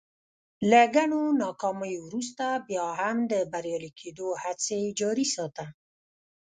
له ګڼو ناکاميو ورورسته بيا هم د بريالي کېدو هڅې جاري ساته.